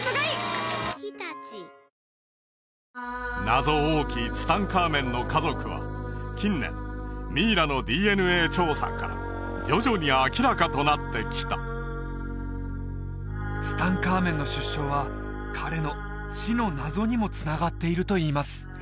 謎多きツタンカーメンの家族は近年ミイラのＤＮＡ調査から徐々に明らかとなってきたツタンカーメンの出生は彼の死の謎にもつながっているといいます